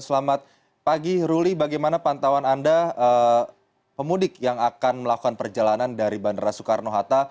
selamat pagi ruli bagaimana pantauan anda pemudik yang akan melakukan perjalanan dari bandara soekarno hatta